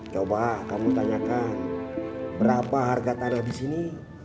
coba kamu tanyakan berapa harga tanah di sini